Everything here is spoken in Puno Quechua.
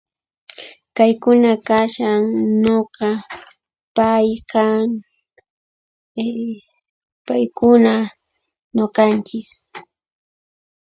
Kaykuna kashan: nuqa, pay, qan, {ii} paykuna nuqanchis.